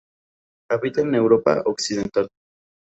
Habita en Europa occidental.